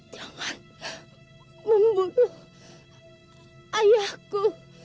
jangan membunuh ayahku